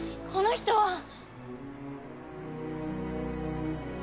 この人は。